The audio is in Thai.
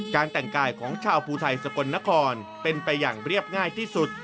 แต่งกายของชาวภูไทยสกลนครเป็นไปอย่างเรียบง่ายที่สุด